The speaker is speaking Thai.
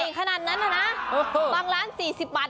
ขนาดนั้นน่ะนะบางร้าน๔๐บาท